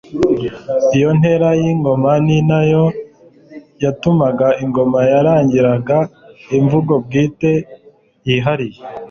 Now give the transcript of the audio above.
Iyo ntera y'ingoma ni nayo yatumaga ingoma yaragiraga imvugo bwite yihariye